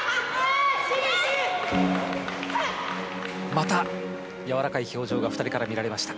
また柔らかい表情がふたりから見られました。